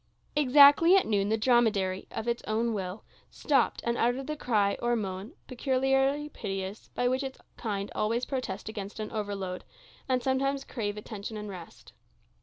Exactly at noon the dromedary, of its own will, stopped, and uttered the cry or moan, peculiarly piteous, by which its kind always protest against an overload, and sometimes crave attention and rest.